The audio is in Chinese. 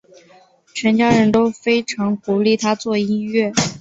全家人都非常鼓励他做音乐。